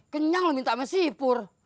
kenyang lu minta mesi pur